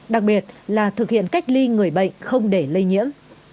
đặc biệt là thực hiện cách ly người bệnh không để lây nhiễm